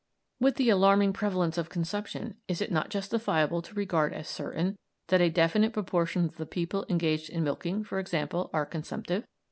With the alarming prevalence of consumption is it not justifiable to regard as certain that a definite proportion of the people engaged in milking, for example, are consumptive?